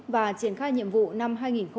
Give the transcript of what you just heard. và triển khai nhiệm vụ năm hai nghìn hai mươi